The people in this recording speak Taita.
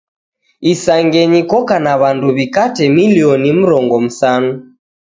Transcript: Isangenyi koka na w'andu w'ikate milioni mrongo msanu.